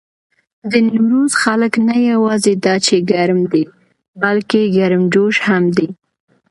د نيمروز خلک نه یواځې دا چې ګرم دي، بلکې ګرمجوش هم دي.